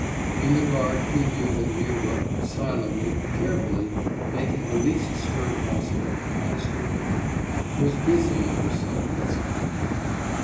In the dark he knew that Liuba, silently, carefully, making the least stir possible, passed over him; was busying herself with something.